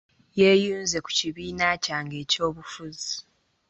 Yeeyunze ku kibiina kyange eky'ebyobufuzi.